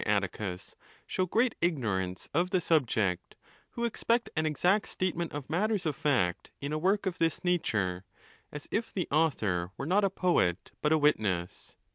Atticus, show great ignorance of the subject, who expect an exact statement of matters of fact in a work of this nature, as | if the author were not a poet, but a witness.